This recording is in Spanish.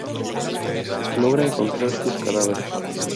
Logra encontrar sus cadáveres.